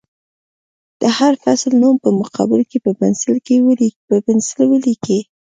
د هر فعل نوم په مقابل کې په پنسل ولیکئ.